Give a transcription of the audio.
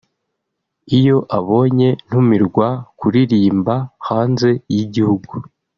Iyo abonye ntumirwa kuririmba hanze y’igihugu